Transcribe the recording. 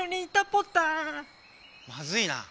まずいな。